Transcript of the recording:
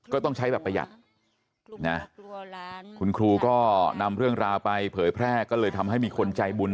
ก็ต้องใช้แบบประหยัดนะคุณครูก็นำเรื่องราวไปเผยแพร่ก็เลยทำให้มีคนใจบุญ